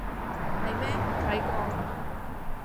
係咩？睇過？